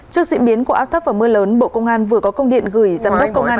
trước diễn biến của áp thấp và mưa lớn bộ công an vừa có công điện gửi giám đốc công an